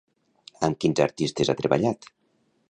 Amb quins artistes ha treballat?